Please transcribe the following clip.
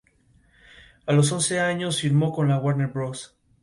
Las mujeres aparecen como sujetos activos, evitando ser dominante o sumisa en extremo.